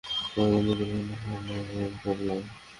তোমাদের নিকট মান্না ও সালওয়া প্রেরণ করলাম।